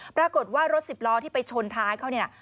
ปรากฏว่ารถสิบล้อที่ไปชนท้ายเขาเนี่ย